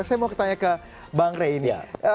saya mau tanya ke bang rey ini